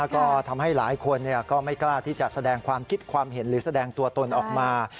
ก็ทำให้หลายคนก็ไม่กล้าที่จะแสดงความคิดความเห็นหรือแสดงตัวตนออกมา